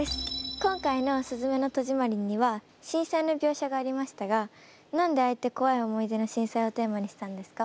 今回の「すずめの戸締まり」には震災の描写がありましたが何であえて怖い思い出の震災をテーマにしたんですか？